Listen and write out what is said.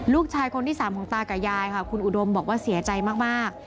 ลูกชายคนที่๓ของตากับยายค่ะคุณอุดมบอกว่าเสียใจมาก